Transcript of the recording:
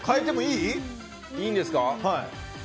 いいんですか？